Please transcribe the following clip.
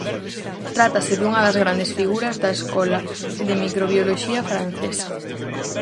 Trátase dunha das grandes figuras da escola de microbioloxía francesa.